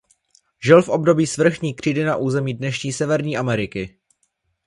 Žil v období svrchní křídy na území dnešní Severní Ameriky.